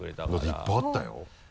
まだいっぱいあったよ。